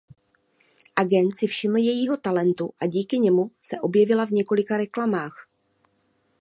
Agent se všiml jejího talentu a díky němu se objevila v několika reklamách.